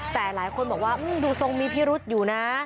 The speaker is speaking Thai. แต่หลายคนบอกว่าดูทรงมีพิรุษอยู่นะ